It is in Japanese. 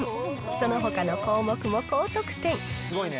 そのほかの項目も高得点。